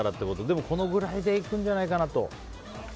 でもこのぐらいでいくんじゃないかなと。